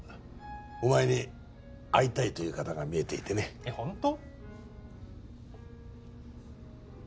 お前に会いたいという方がみえていてねえっホント？